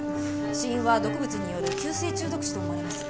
死因は毒物による急性中毒死と思われます。